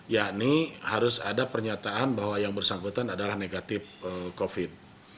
yakni harus ada pernyataan bahwa yang bersangkutan adalah negatif covid